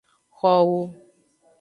Xowo.